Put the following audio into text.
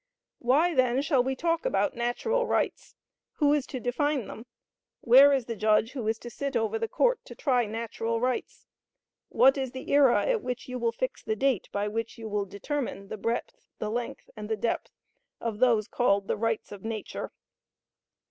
Why, then, shall we talk about natural rights? Who is to define them? Where is the judge who is to sit over the court to try natural rights? What is the era at which you will fix the date by which you will determine the breadth, the length, and the depth of those called the rights of nature?